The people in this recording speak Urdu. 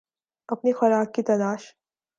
اپنی خوراک کی تلاش